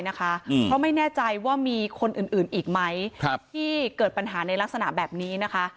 เพราะไม่แน่ใจว่ามีคนอื่นอีกไหมที่เกิดปัญหาในลักษณะแบบนี้นะคะ